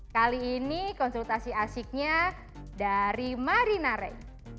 kali ini konsultasi asiknya dari marina rey